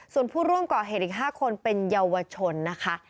ส่วนผู้ร่วมก่อเหตุอีก๕คนเป็นเยาวชนนะคะ